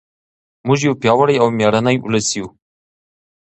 موږ یو پیاوړی او مېړنی ولس یو.